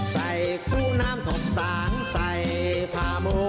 สวัสดีค่ะ